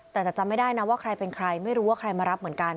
แต่จะจำไม่ได้นะว่าใครเป็นใครไม่รู้ว่าใครมารับเหมือนกัน